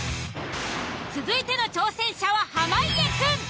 続いての挑戦者は濱家くん。